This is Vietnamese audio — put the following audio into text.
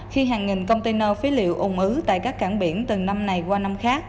khi hàng nghìn container phế liệu ủng ứ tại các cảng biển từ năm này qua năm khác